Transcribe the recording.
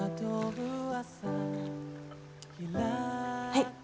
はい。